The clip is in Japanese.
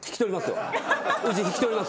うち引き取りますよ